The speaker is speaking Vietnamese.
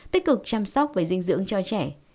tích cực chăm sóc và dinh dưỡng cho trẻ